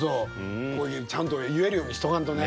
こういうちゃんと言えるようにしとかんとね。